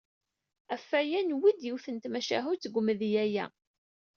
Ɣef waya, newwi-d yiwet n tmacahut deg umedya-a.